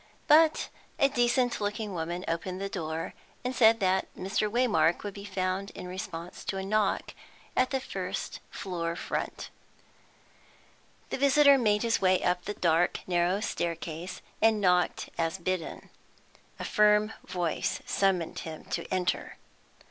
But a decent looking woman opened the door, and said that Mr. Waymark would be found in response to a knock at the first floor front. The visitor made his way up the dark, narrow stair case, and knocked as bidden. A firm voice summoned him to enter.